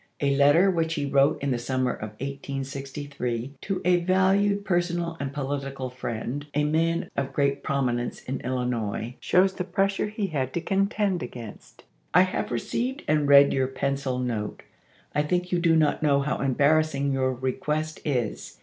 A letter which he wrote in the summer of 1863 to a valued personal and political friend, a man of great prominence in Illinois, shows the pressure he had to contend against. I have received and read your pencil note. I think you do not know how embarrassing your request is.